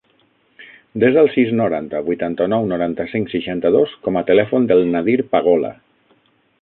Desa el sis, noranta, vuitanta-nou, noranta-cinc, seixanta-dos com a telèfon del Nadir Pagola.